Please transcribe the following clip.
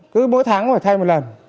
cứ mỗi tháng phải thay một lần